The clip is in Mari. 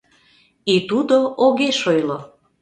И тудо огеш ойло.